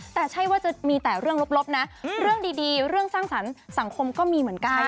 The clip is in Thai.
แต่ใช่ว่าจะมีแต่เรื่องลบนะเรื่องดีเรื่องสร้างสรรค์สังคมก็มีเหมือนกัน